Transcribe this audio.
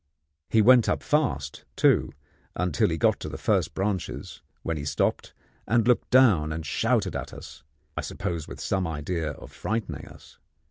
He went up fast, too, until he got to the first branches, when he stopped and looked down and shouted at us I suppose with some idea of frightening us.